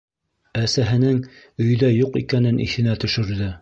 Әсәһенең өйҙә юҡ икәнен иҫенә төшөрҙө.